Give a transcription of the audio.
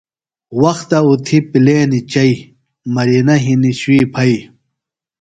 وختہ اُتھیۡ پیلینیۡ چئیۡ، مرینہ ہنیۡ شُوی پھئیۡ